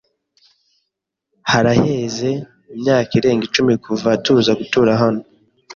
Haraheze imyaka irenga icumi kuva tuza gutura hano.